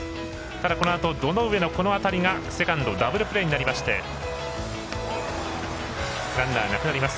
このあと、堂上のこの当たりがセカンドダブルプレーになりましてランナーなくなります。